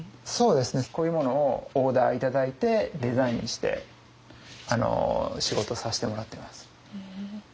そうですねこういうものをオーダー頂いてデザインして仕事さしてもらってます。